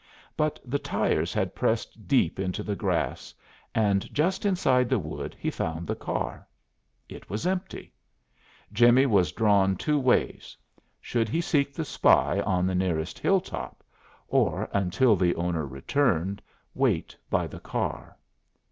But the tires had pressed deep into the grass, and just inside the wood, he found the car. It was empty. Jimmie was drawn two ways. Should he seek the spy on the nearest hilltop, or, until the owner returned, wait by the car?